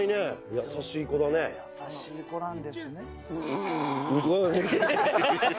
優しい子なんですね。